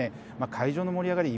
会場の盛り上がり